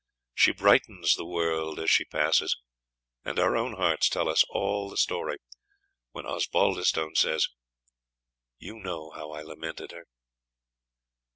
She brightens the world as she passes, and our own hearts tell us all the story when Osbaldistone says, "You know how I lamented her."